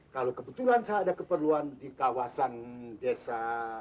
kalau kebetulan saya ada keperluan di kawasan desa